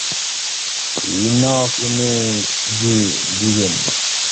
In ok imi ji gigeni?